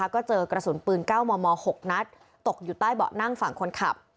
ก็เจอกระสุนปืน๙มม๖นัดตกอยู่ใต้เบาะนั่งฝั่งคนขับ